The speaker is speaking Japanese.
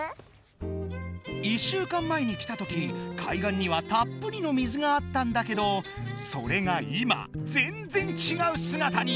１週間前に来たとき海岸にはたっぷりの水があったんだけどそれが今ぜんぜんちがうすがたに！